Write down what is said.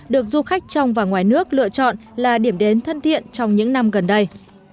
được du khách trong và ngoài nước lựa chọn là điểm đến thân thiện trong những năm gần đây